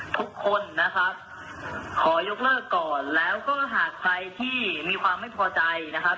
ทุกคนนะครับขอยกเลิกก่อนแล้วก็หากใครที่มีความไม่พอใจนะครับ